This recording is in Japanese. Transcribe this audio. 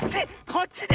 こっちね！